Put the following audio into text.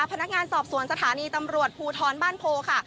พนักงานสอบสวนสถานีตำรวจภูทรบ้านโพค่ะ